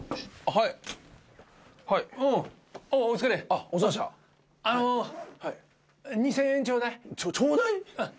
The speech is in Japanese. あの２，０００円ちょうだい。